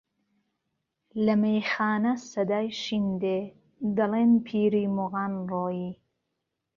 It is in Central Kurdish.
له مهیخانه سهدای شین دێ، دهڵێن پیری موغان رۆیی